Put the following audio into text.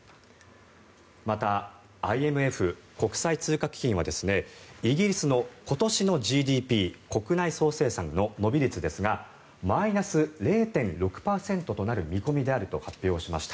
また、ＩＭＦ・国際通貨基金はイギリスの今年のＧＤＰ・国内総生産の伸び率ですがマイナス０．６％となる見込みであると発表しました。